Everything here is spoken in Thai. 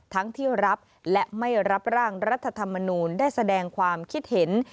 ที่รับและไม่รับร่างรัฐธรรมนูลได้แสดงความคิดเห็น